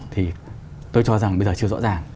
thì tôi cho rằng bây giờ chưa rõ ràng